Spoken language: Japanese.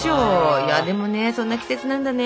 いやでもねそんな季節なんだね。